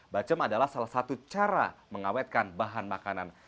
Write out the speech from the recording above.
bacem adalah salah satu cara mengawetkan bahan makanan